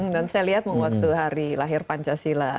dan saya lihat waktu hari lahir pancasila